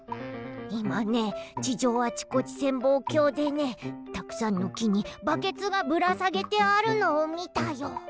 いまね地上あちこち潜望鏡でねたくさんのきにバケツがぶらさげてあるのをみたよ。